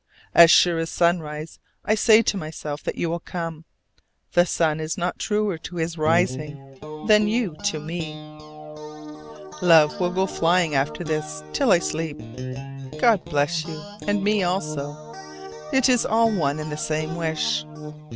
As sure as sunrise I say to myself that you will come: the sun is not truer to his rising than you to me. Love will go flying after this till I sleep. God bless you! and me also; it is all one and the same wish.